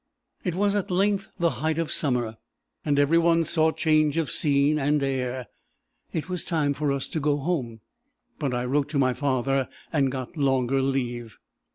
"It was at length the height of summer, and every one sought change of scene and air. It was time for us to go home; but I wrote to my father, and got longer leave."